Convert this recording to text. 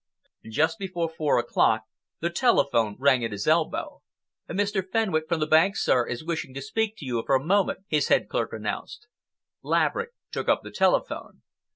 Just before four o'clock, the telephone rang at his elbow. "Mr. Fenwick from the bank, sir, is wishing to speak to you for a moment," his head clerk announced. Laverick took up the telephone.